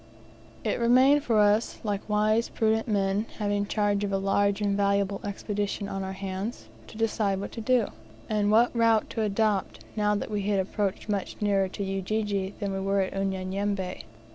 It remained for us, like wise, prudent men, having charge of a large and valuable Expedition on our hands, to decide what to do, and what route to adopt, now that we had approached much nearer to Ujiji than we were to Unyanyembe.